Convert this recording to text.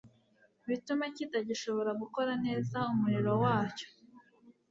bitume kitagishobora gukora neza umurimo wacyo